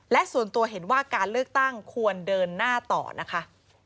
และส่วนตัวเห็นว่าการเลือกตั้งควรเดินหน้าต่อนะคะ